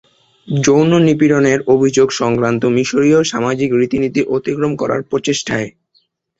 যৌন নিপীড়নের অভিযোগ সংক্রান্ত মিশরীয় সামাজিক রীতিনীতি অতিক্রম করার প্রচেষ্টায়।